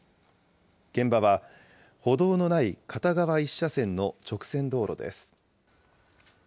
現場は、歩道のない片側１車線の直線道路です。